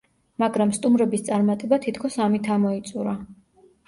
მაგრამ სტუმრების წარმატება თითქოს ამით ამოიწურა.